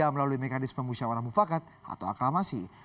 melalui mekanisme pemusyawarah mufakat atau aklamasi